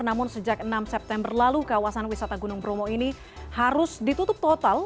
namun sejak enam september lalu kawasan wisata gunung bromo ini harus ditutup total